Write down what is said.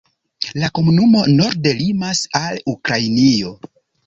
La komunumo norde limas al Ukrainio.